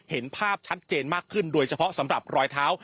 เห็นภาพชัดเจนมากขึ้นโดยเฉพาะสำหรับรอยเท้า